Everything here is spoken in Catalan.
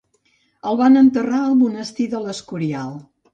El van enterrar al Monestir de l'Escorial.